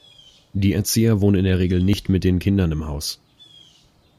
Die Erzieher wohnen in der Regel nicht mit den Kindern im Haus.